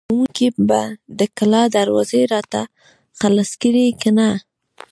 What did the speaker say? ساتونکي به د کلا دروازه راته خلاصه کړي که نه!